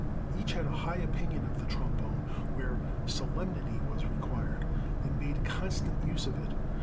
Each had a high opinion of the trombone where solemnity was required, and made constant use of it.